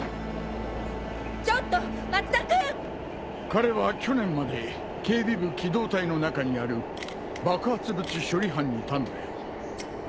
彼は去年まで警備部機動隊の中にある爆発物処理班にいたんだよ。